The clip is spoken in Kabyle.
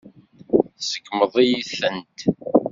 Tseggmeḍ-iyi-tent.